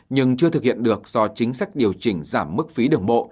nhưng chưa thực hiện được do chính sách điều chỉnh giảm mức phí đường bộ